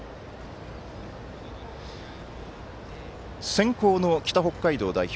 先攻の北北海道代表